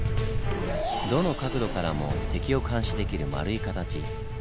どの角度からも敵を監視できる丸い形。